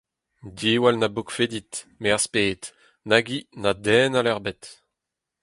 Diwall na bokfe dit, me az ped, nag hi na den all ebet.